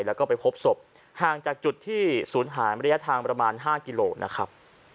แล้วก็ไปพบศพห่างจากจุดที่ศูนย์หายระยะทางประมาณ๕กิโลนะครับ